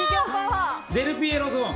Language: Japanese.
デルピエロゾーン。